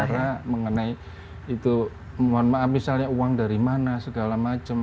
karena mengenai itu mohon maaf misalnya uang dari mana segala macam